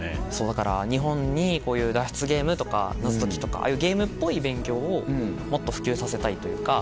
だから日本にこういう脱出ゲームとか謎解きとかああいうゲームっぽい勉強をもっと普及させたいというか。